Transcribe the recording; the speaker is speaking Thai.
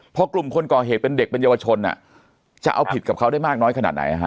พอกลุ่มคนก่อเหตุเป็นเด็กเป็นเยาวชนจะเอาผิดกับเขาได้มากน้อยขนาดไหน